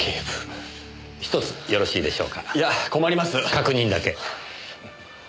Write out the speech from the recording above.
確認だけ。